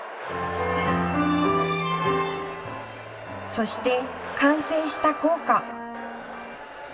そして、完成した校歌。